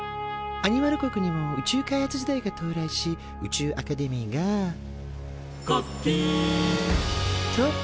アニマル国にも宇宙開発時代が到来し宇宙アカデミーが「がっびん！」と誕生。